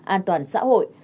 an toàn xã hội